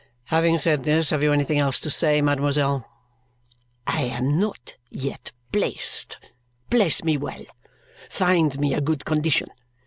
"Having said this, have you anything else to say, mademoiselle?" "I am not yet placed. Place me well. Find me a good condition!